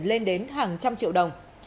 lên đến hàng trăm triệu đồng